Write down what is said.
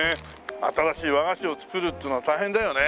新しい和菓子を作るっていうのは大変だよね。